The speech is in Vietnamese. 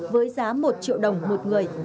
với giá một triệu đồng một người